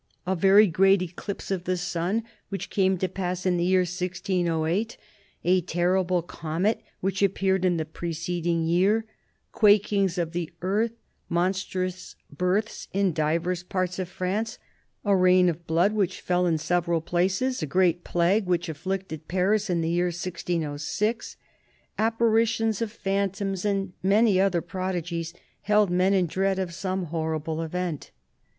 A very great eclipse of the sun, which came to pass in the year 1608; a terrible comet, which appeared in the preceding year ; quakings of the earth ; monstrous births in divers parts of France ; a rain of blood, which fell in several places ; a great plague, which afflicted Paris in the year 1606; apparitions of phantoms, and many other prodigies, held men in dread of some horrible event."